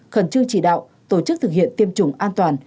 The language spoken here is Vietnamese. khẩn trương chỉ đạo tổ chức thực hiện tiêm chủng an toàn